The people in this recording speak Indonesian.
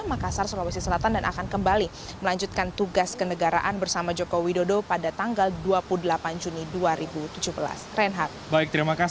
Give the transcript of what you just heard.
makassar sulawesi selatan dan akan kembali melanjutkan tugas kenegaraan bersama joko widodo pada tanggal dua puluh delapan juni dua ribu tujuh belas